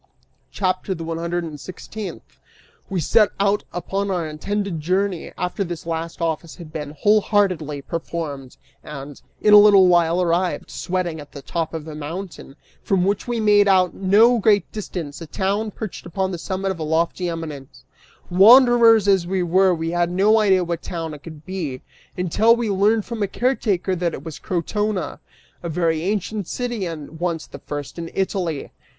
CHAPTER THE ONE HUNDRED AND SIXTEENTH. We set out upon our intended journey, after this last office had been wholeheartedly performed, and, in a little while, arrived, sweating, at the top of a mountain, from which we made out, at no great distance, a town, perched upon the summit of a lofty eminence. Wanderers as we were, we had no idea what town it could be, until we learned from a caretaker that it was Crotona, a very ancient city, and once the first in Italy.